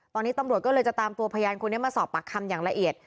ตอนนี้ตำรวจก็เลยจะตามตัวพยานคนนี้มาสอบปากคำอย่างละเอียด